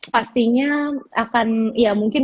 pastinya akan ya mungkin